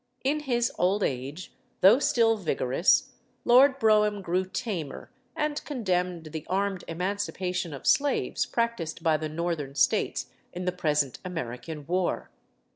In his old age, though still vigorous, Lord Brougham grew tamer, and condemned the armed emancipation of slaves practised by the Northern States in the present American war.